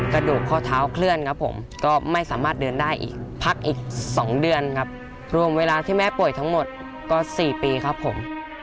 กระดูกข้อเท้าเคลื่อนครับผมก็ไม่สามารถเดินได้อีกพักอีก๒เดือนครับรวมเวลาที่แม่ป่วยทั้งหมดก็๔ปีครับผม